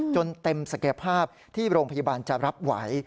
จนเต็มศักยภาพที่โรงพยาบาลจะรับไหว